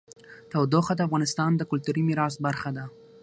تودوخه د افغانستان د کلتوري میراث برخه ده.